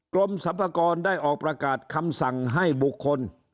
กรมสรรพากรได้ออกประกาศคำสั่งให้บุคคล